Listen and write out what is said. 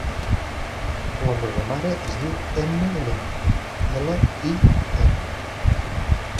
La meva mare es diu Emma Lin: ela, i, ena.